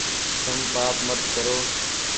تم پآپ مت ڪرو